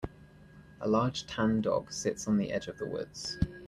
A large tan dog sits on the edge of the woods.